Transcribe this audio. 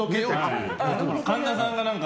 神田さんが何か。